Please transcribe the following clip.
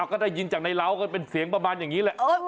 ก็ได้ยินจากในเหล้าก็เป็นเสียงประมาณอย่างนี้แหละ